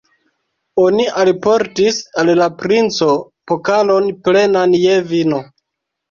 Oni alportis al la princo pokalon, plenan je vino.